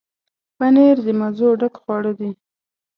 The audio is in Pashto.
پنېر د مزو ډک خواړه دي.